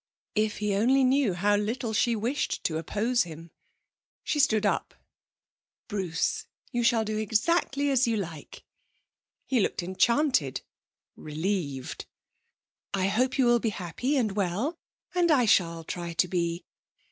If he only knew how little she wished to oppose him! She stood up. 'Bruce, you shall do exactly as you like!' He looked enchanted, relieved. 'I hope you will be happy and well, and I shall try to be.